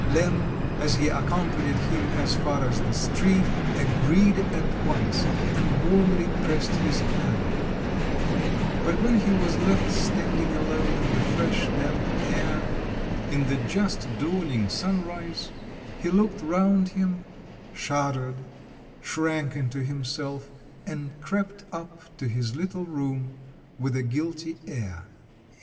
Lemm, as he accompanied him as far as the street, agreed at once, and warmly pressed his hand; but when he was left standing alone in the fresh, damp air, in the just dawning sunrise, he looked round him, shuddered, shrank into himself, and crept up to his little room, with a guilty air.